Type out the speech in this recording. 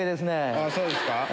あそうですか。